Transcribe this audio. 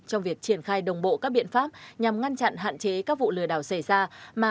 trong việc triển khai đồng bộ các biện pháp nhằm ngăn chặn hạn chế các vụ lừa đảo xảy ra mà